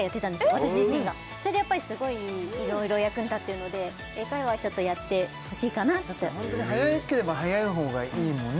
私自身がそれでやっぱりすごいいろいろ役に立ってるので英会話ちょっとやってほしいかなってホントに早ければ早いほうがいいもんね